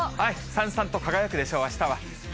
さんさんと輝くでしょう、あしたは。